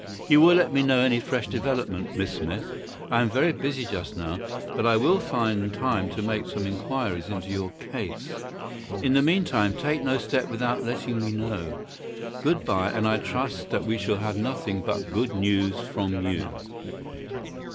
"You will let me know any fresh development, Miss Smith. I am very busy just now, but I will find time to make some inquiries into your case. In the meantime take no step without letting me know. Good bye, and I trust that we shall have nothing but good news from you."